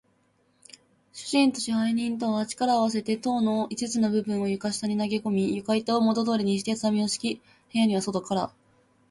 主人と支配人とは、力をあわせて塔の五つの部分を床下に投げこみ、床板をもとどおりにして、畳をしき、部屋には外からかぎをかけておいて、